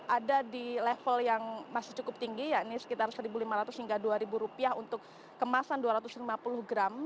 ada di level yang masih cukup tinggi yakni sekitar rp satu lima ratus hingga rp dua untuk kemasan dua ratus lima puluh gram